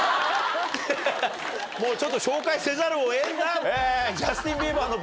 もうちょっと紹介せざるを得んな。